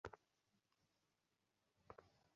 প্রত্যুষে ফিরআউন টের পেল যে, বনী ইসরাঈলরা চলে গেছে।